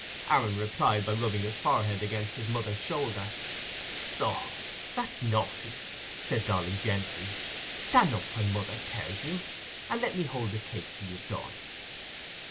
Aaron replied by rubbing his forehead against his mother's shoulder. "Oh, that's naughty," said Dolly, gently. "Stan' up, when mother tells you, and let me hold the cake till you've done."